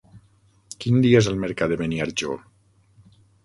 Quin dia és el mercat de Beniarjó?